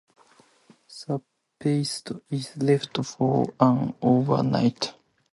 The paste is left for an overnight.